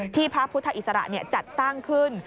พระพุทธอิสระจัดสร้างขึ้น